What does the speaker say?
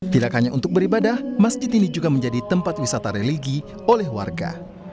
tidak hanya untuk beribadah masjid ini juga menjadi tempat wisata religi oleh warga